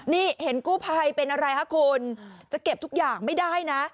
นี่เห็นกู้ภัยเป็นอะไรคะคุณจะเก็บทุกอย่างไม่ได้นะ